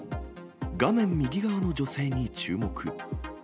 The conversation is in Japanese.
画面右側の女性に注目。